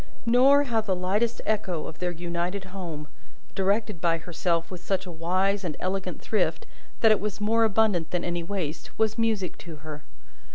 Nor, how the lightest echo of their united home, directed by herself with such a wise and elegant thrift that it was more abundant than any waste, was music to her.